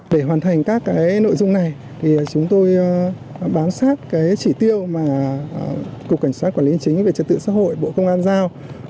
để hoàn thành các nội dung này thì chúng tôi bám sát chỉ tiêu mà cục cảnh sát quản lý chính về trật tự xã hội bộ công an giao